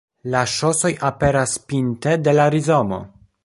La ŝosoj aperas pinte de la rizomo.